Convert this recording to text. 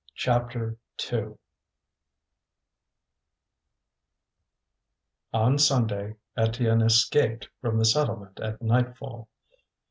CHAPTER II On Sunday Étienne escaped from the settlement at nightfall.